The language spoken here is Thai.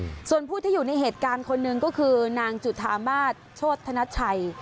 อืมส่วนผู้ที่อยู่ในเหตุการณ์คนหนึ่งก็คือนางจุธามาศโชธนชัย